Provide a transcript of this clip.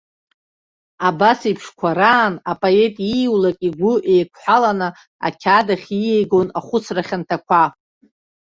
Абасеиԥшқәа раан апоет ииулак игәы еиқәҳәаланы, ақьаад ахь ииаигон ахәыцра хьанҭақәа.